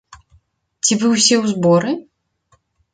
Ці вы ўсе у зборы?